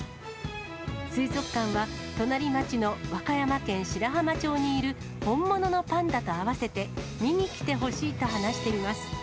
水族館は隣町の和歌山県白浜町にいる本物のパンダと合わせて、見に来てほしいと話しています。